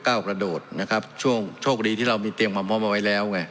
กระโดดนะครับช่วงโชคดีที่เรามีเตรียมความพร้อมเอาไว้แล้วไง